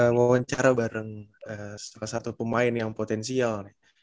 ngawancara bareng salah satu pemain yang potensial